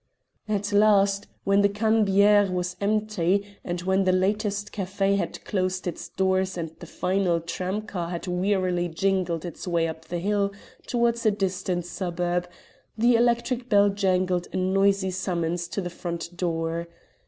At last, when even the Cannebiere was empty, and when the latest café had closed its doors and the final tramcar had wearily jingled its way up the hill towards a distant suburb, the electric bell jangled a noisy summons to the front door.